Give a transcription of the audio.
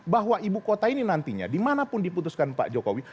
bahwa ibu kota ini nantinya dimanapun diputuskan pak jokowi